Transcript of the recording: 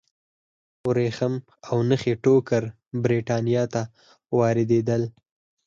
ورېښم او نخي ټوکر برېټانیا ته واردېدل.